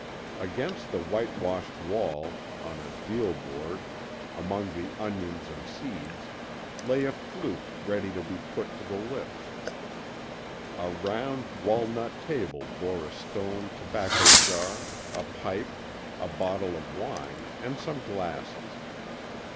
Against the whitewashed wall, on a deal board, among the onions and seeds, lay a flute ready to be put to the lips. A round walnut table bore a stone tobacco jar, a pipe, a bottle of wine and some glasses.